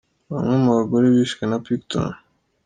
Bamwe mu bagore bishwe na Pickton.